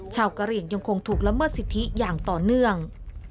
กะเหลี่ยงยังคงถูกละเมิดสิทธิอย่างต่อเนื่อง